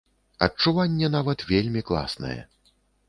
Адчуванне нават вельмі класнае.